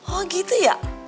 oh gitu ya